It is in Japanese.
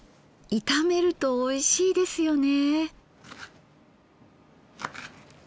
炒めるとおいしいですよね。